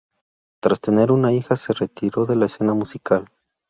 Tras tener una hija, se retiró de la escena musical.